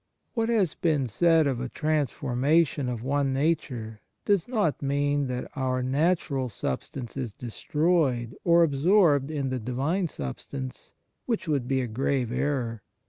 " What has been said of a transformation of one nature does not mean that our natural substance is destroyed, or absorbed in the Divine Substance, which would be a grave error.